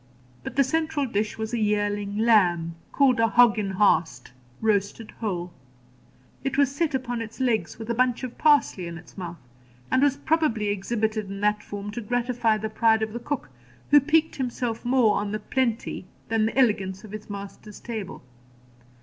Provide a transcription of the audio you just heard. But the central dish was a yearling lamb, called 'a hog in har'st,' roasted whole. It was set upon its legs, with a bunch of parsley in its mouth, and was probably exhibited in that form to gratify the pride of the cook, who piqued himself more on the plenty than the elegance of his master's table.